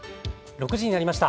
６時になりました。